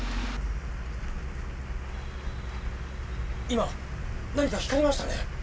今、何か光りましたね。